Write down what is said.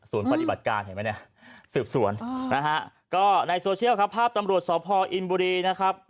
ปฏิบัติการเห็นไหมเนี่ยสืบสวนนะฮะก็ในโซเชียลครับภาพตำรวจสพออินบุรีนะครับ